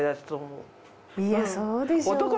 いやそうでしょ。